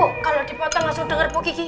kalau dipotong langsung denger bu kiki